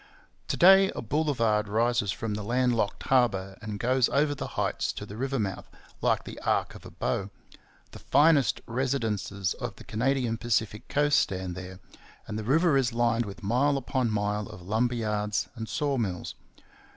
To day a boulevard rises from the land locked harbour and goes over the heights to the river mouth like the arc of a bow; the finest residences of the Canadian Pacific coast stand there; and the river is lined with mile upon mile of lumber yards and saw mills.